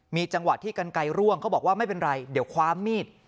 มีจังหวะที่กันไกลร่วงเขาบอกว่าไม่เป็นไรเดี๋ยวคว้ามีด